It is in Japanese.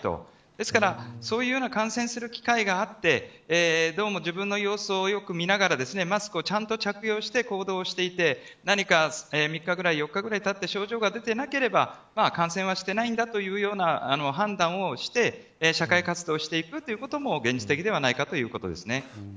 ですから、そういう感染する機会があって自分の様子をよく見ながらマスクをちゃんと着用して行動していて何か３日くらい４日ぐらいたって症状が出ていなければ感染はしていないんだというような判断をして社会活動していくということも現実的ではないかということです。